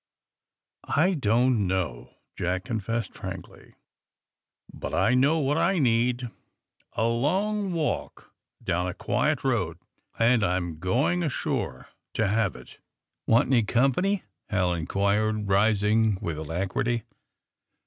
^^I don^t know," Jack confessed frankly. *'But I know what I need — a long walk down a quiet road, and I'm going ashore to have if' AND THE SMUGGLERS 35 *^Waiit any company T^ Hal inquired, rising with alacrity.